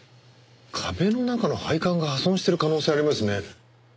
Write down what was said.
壁の中の配管が破損してる可能性ありますね。